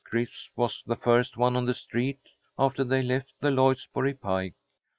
Crisp's was the first one on the street, after they left the Lloydsboro pike.